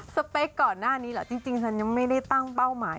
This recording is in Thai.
สเปคก่อนหน้านี้เหรอจริงฉันยังไม่ได้ตั้งเป้าหมาย